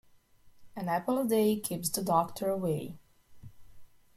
An apple a day keeps the doctor away.